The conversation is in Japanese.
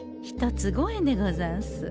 １つ５円でござんす。